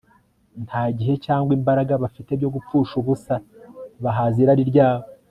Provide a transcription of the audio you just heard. nta gihe cyangwa imbaraga bafite byo gupfusha ubusa bahaza irari ryabo